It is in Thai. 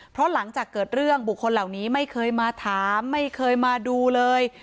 เพราะหลังจากเกิดเรื่องบุคคลเหล่านี้ไม่เคยมาถามไม่เคยมาดูเลย